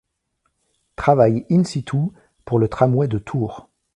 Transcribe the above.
Travail in situ – pour le tramway de Tours.